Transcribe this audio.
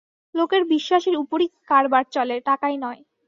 লোকের বিশ্বাসের উপরই কারবার চলে, টাকায় নয়।